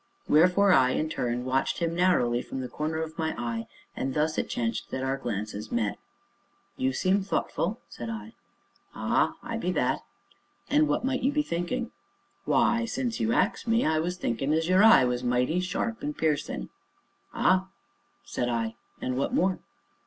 Wherefore I, in turn, watched him narrowly from the corner of my eye, and thus it chanced that our glances met. "You seem thoughtful?" said I. "Ah! I be that." "And what might you be thinking?" "Why since you ax me, I was thinkin' as your eye was mighty sharp and piercin'." "Ah!" said I; "and what more?"